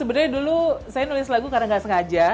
sebenarnya dulu saya nulis lagu karena gak sengaja